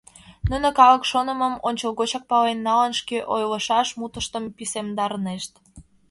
Нуно, калык шонымым ончылгочак пален налын, шке ойлышаш мутыштым писемдарынешт.